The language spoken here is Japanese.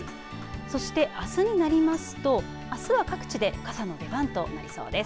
そして、あすになりますとあすは各地で傘の出番となりそうです。